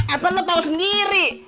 apa lo tahu sendiri